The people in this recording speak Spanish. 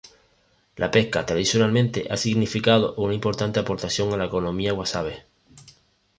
La pesca tradicionalmente ha significado una importante aportación a la economía de Guasave.